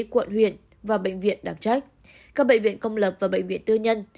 quận huyện và bệnh viện đảm trách các bệnh viện công lập và bệnh viện tư nhân